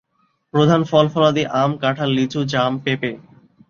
প্রধান ফল-ফলাদি আম, কাঁঠাল, লিচু, জাম, পেঁপে।